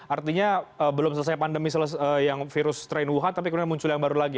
artinya belum selesai pandemi yang virus strain wuhan tapi kemudian muncul yang baru lagi